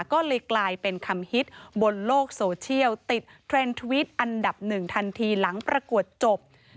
ก็เลยกลายเป็นคำฮิตบนโลกโซเชียลติดเทรนด์ทวิตอันดับหนึ่งทันทีหลังประกวดจบ